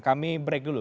kami break dulu